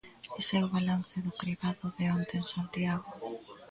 Ese é o balance do cribado de onte en Santiago.